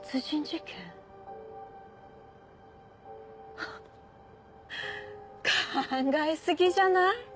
ハッ考え過ぎじゃない？